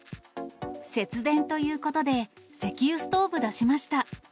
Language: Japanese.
節電ということで、石油ストーブ出しました。